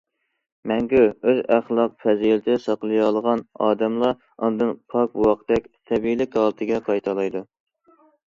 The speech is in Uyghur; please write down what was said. مەڭگۈ ئۆز ئەخلاق- پەزىلىتىنى ساقلىيالىغان ئادەملا ئاندىن پاك بوۋاقتەك تەبىئىيلىك ھالىتىگە قايتالايدۇ.